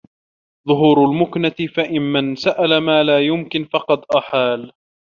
ظُهُورُ الْمُكْنَةِ فَإِنَّ مَنْ سَأَلَ مَا لَا يُمْكِنُ فَقَدْ أَحَالَ